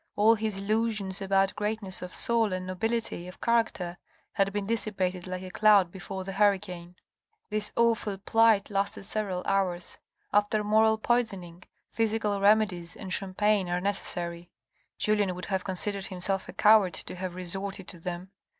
All his illusions about greatness of soul and nobility of character had been dissipated like a cloud before the hurricane. This awful plight lasted several hours. After moral poison ing, physical remedies and champagne are necessary. Julien would have considered himself a coward to have resorted to them.